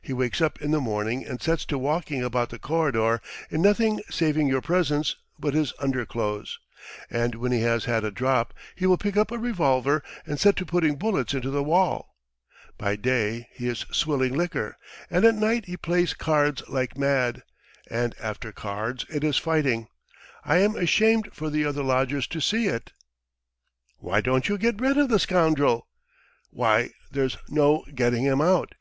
He wakes up in the morning and sets to walking about the corridor in nothing, saving your presence, but his underclothes. And when he has had a drop he will pick up a revolver and set to putting bullets into the wall. By day he is swilling liquor and at night he plays cards like mad, and after cards it is fighting. ... I am ashamed for the other lodgers to see it!" "Why don't you get rid of the scoundrel?" "Why, there's no getting him out!